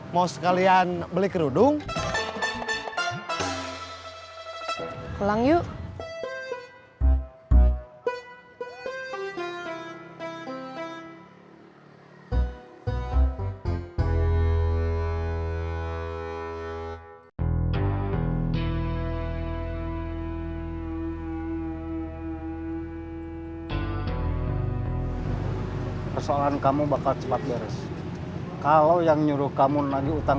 mau sekalian beli kerudung